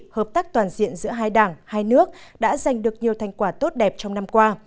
hợp tác toàn diện giữa hai đảng hai nước đã giành được nhiều thành quả tốt đẹp trong năm qua